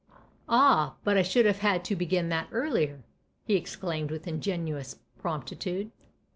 " Ah, but I should have had to begin that earlier !" he exclaimed with ingenuous promptitude.